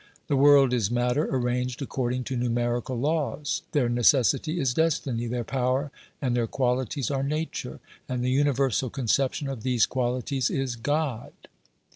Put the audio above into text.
The world is matter arranged according to numerical laws ] their necessity is destiny ; their power and their qualities are nature, and the universal conception of these qualities is God.